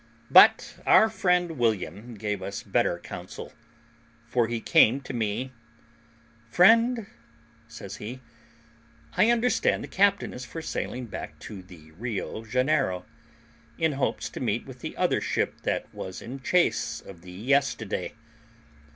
But our friend William gave us better counsel, for he came to me, "Friend," says he, "I understand the captain is for sailing back to the Rio Janeiro, in hopes to meet with the other ship that was in chase of thee yesterday.